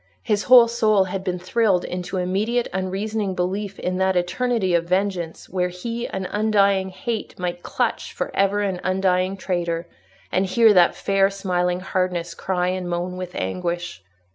His whole soul had been thrilled into immediate unreasoning belief in that eternity of vengeance where he, an undying hate, might clutch for ever an undying traitor, and hear that fair smiling hardness cry and moan with anguish.